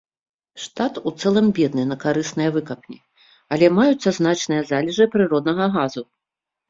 Штат у цэлым бедны на карысныя выкапні, але маюцца значныя залежы прыроднага газу.